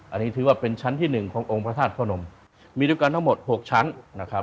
อันนี้ถือว่าเป็นชั้นที่หนึ่งขององค์พระธาตุพระนมมีด้วยกันทั้งหมดหกชั้นนะครับ